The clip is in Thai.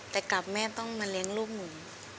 แต่กลับแม่ต้องมาเลี้ยงลูกหนู